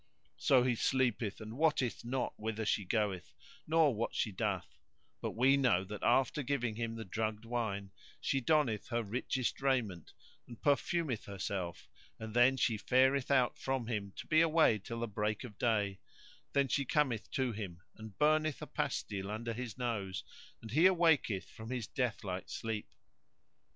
So he sleepeth and wotteth not whither she goeth, nor what she doeth; but we know that after giving him the drugged wine, she donneth her richest raiment and perfumeth herself and then she fareth out from him to be away till break of day; then she cometh to him, and burneth a pastile under his nose and he awaketh from his deathlike sleep."